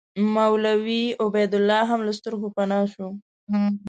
مولوي عبیدالله هم له سترګو پناه شو.